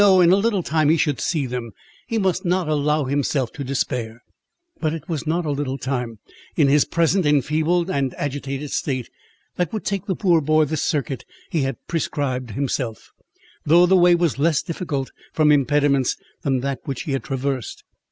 in a little time he should see them! He must not allow himself to despair." But it was not a little time, in his present enfeebled and agitated state, that would take the poor boy the circuit he had prescribed himself, though the way was less difficult from impediments than that which he had traversed.